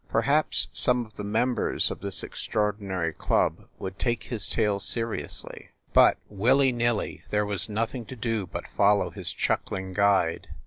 Perhaps some of the members of this extraordinary club would take his tale seri ously. But, willy nilly, there was nothing to do but follow his chuckling guide.